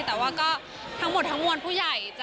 แต่ว่าก็ทั้งหมดทั้งมวลผู้ใหญ่